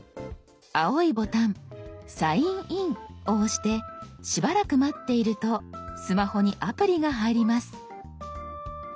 青いボタン「サインイン」を押してしばらく待っているとスマホにアプリが入ります。